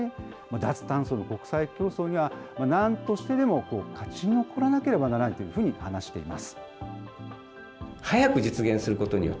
脱炭素の国際競争にはなんとしてでも勝ち残らなければならないというふうに話しています。